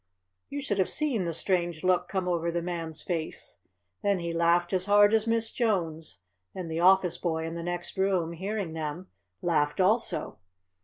You should have seen the strange look come over the Man's face. Then he laughed as hard as Miss Jones, and the office boy in the next room, hearing them, laughed also.